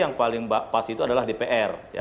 yang paling pas itu adalah dpr